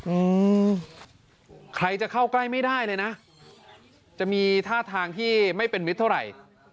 อืมใครจะเข้าใกล้ไม่ได้เลยนะจะมีท่าทางที่ไม่เป็นมิตรเท่าไหร่